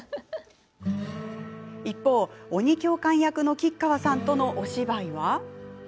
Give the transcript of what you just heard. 一方、鬼教官役の吉川さんとのお芝居は。